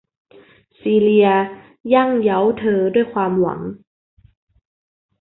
ซีเลียยั่งเย้าเธอด้วยความหวัง